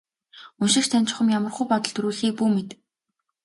Уншигч танд чухам ямархуу бодол төрүүлэхийг бүү мэд.